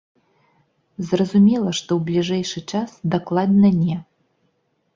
Зразумела, што ў бліжэйшы час дакладна не.